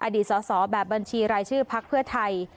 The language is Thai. อดีตสอสอแบบบัญชีรายชื่อพักเพื่อไทย